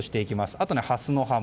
あと、ハスの葉も。